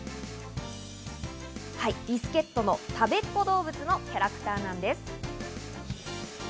ビスケットのたべっ子どうぶつのキャラクターなんです。